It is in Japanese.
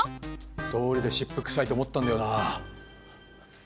どうりで湿布臭いと思ったんだよな。